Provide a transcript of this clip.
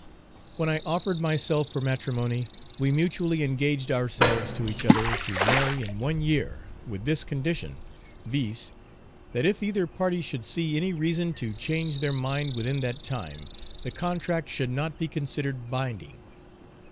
When I offered myself for matrimony, we mutually engaged ourselves to each other, to marry in one year, with this condition, viz: that if either party should see any reason to change their mind within that time, the contract should not be considered binding.